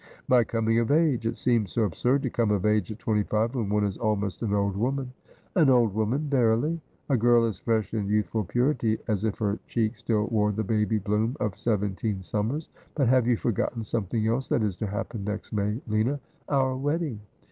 ' My coming of age. It seems so absurd to come of age at twenty five, when one is almost an old woman.' ' An old woman verily. A girl as fresh in youthful purity as if her cheek still wore the baby bloom of seventeen summers ! But have you forgotten something else that is to happen next May, Lina — our wedding